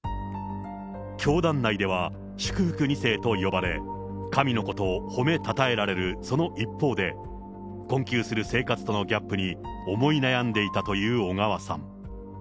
教団内では、祝福２世と呼ばれ、神の子と褒めたたえられるその一方で、困窮する生活とのギャップに、思い悩んでいたという小川さん。